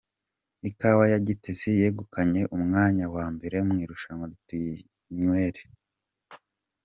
Ikawa ya Gitesi yegukanye umwanya wa mbere mu irushanwa Tuyinywere